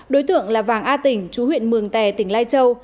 đối tượng là vàng a tỉnh chú huyện mường tè tỉnh lai châu